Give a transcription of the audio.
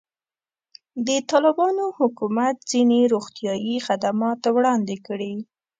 د طالبانو حکومت ځینې روغتیایي خدمات وړاندې کړي.